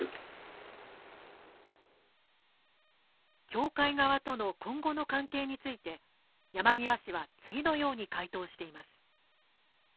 教会側との今後の関係について山際氏は次のように回答しています。